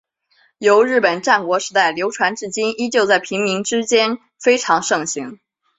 由日本战国时代流传至今依旧在平民之间非常盛行。